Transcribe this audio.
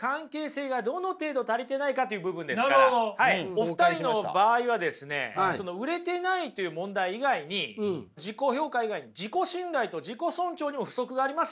お二人の場合はですね売れてないという問題以外に自己評価以外に自己信頼と自己尊重にも不足がありますよね。